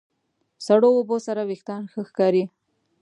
سړو اوبو سره وېښتيان ښه ښکاري.